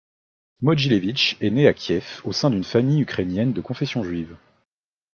Mogilevich est né à Kiev au sein d'une famille ukrainienne de confession juive.